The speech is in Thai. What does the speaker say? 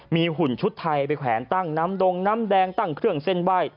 มีหุ่นชุดไทยไปแขวนตั้งน้ำดงน้ำแดงตั้งเครื่องเส้นไหว้